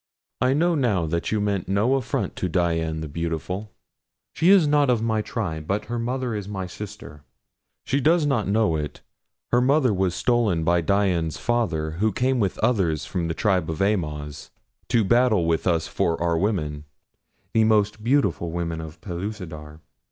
I know now that you meant no affront to Dian the Beautiful. She is not of my tribe; but her mother is my sister. She does not know it her mother was stolen by Dian's father who came with many others of the tribe of Amoz to battle with us for our women the most beautiful women of Pellucidar.